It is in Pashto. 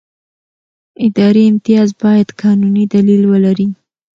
اداري امتیاز باید قانوني دلیل ولري.